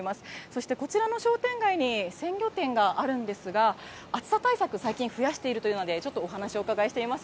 そしてこちらの商店街に鮮魚店があるんですが、暑さ対策、最近、増やしているというので、ちょっとお話をお伺いしています。